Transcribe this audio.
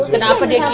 kenapa deh kiki